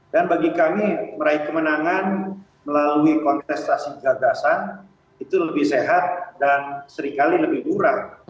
dan bagi kami meraih kemenangan melalui kontestasi gagasan itu lebih sehat dan serikali lebih murah